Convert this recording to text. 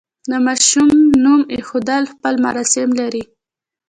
د ماشوم نوم ایښودل خپل مراسم لري.